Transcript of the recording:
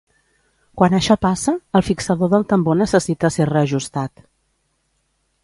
Quan això passa, el fixador del tambor necessita ser reajustat.